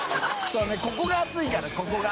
ここが熱いからここが。